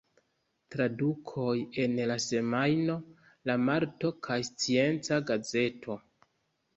Tradukoj en "La Semajno", "La Marto" kaj "Scienca Gazeto".